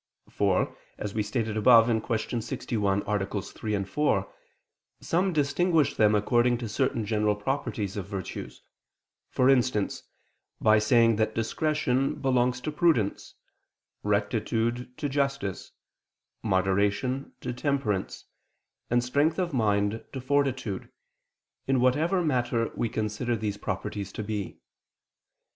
For, as we stated above (Q. 61, AA. 3, 4), some distinguish them according to certain general properties of the virtues: for instance, by saying that discretion belongs to prudence, rectitude to justice, moderation to temperance, and strength of mind to fortitude, in whatever matter we consider these properties to be.